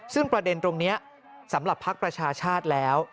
ซึ่งประเด็นตรงนี้สำหรับภักดิ์ประชาชาติแล้ว